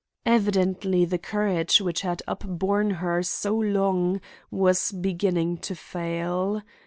Evidently the courage which had upborne her so long was beginning to fail.